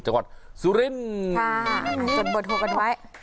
จังหวัดสุรินทร์ค่ะจดเบอร์โทรกันไว้